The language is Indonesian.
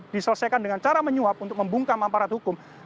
diselesaikan dengan cara menyuap untuk membungkam amparat hukum